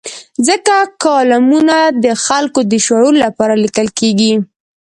ځکه کالمونه د خلکو د شعور لپاره لیکل کېږي.